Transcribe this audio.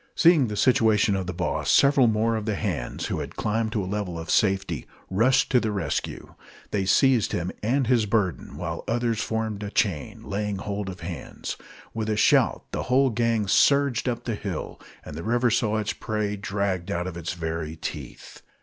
Seeing the situation of the boss, several more of the hands, who had climbed to a level of safety, rushed to the rescue. They seized him and his burden, while others formed a chain, laying hold of hands. With a shout the whole gang surged up the hill, and the river saw its prey dragged out of its very teeth.